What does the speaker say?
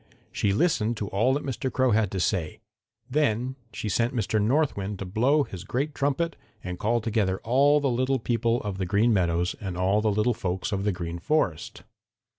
She listened to all that Mr. Crow had to say. Then she sent Mr. North Wind to blow his great trumpet and call together all the little people of the Green Meadows and all the little folks of the Green Forest.